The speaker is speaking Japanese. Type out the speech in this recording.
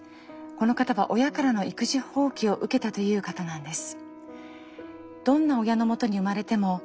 この方は親からの育児放棄を受けたという方なんです。